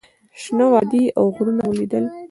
شنه وادي او غرونه مو لیدل.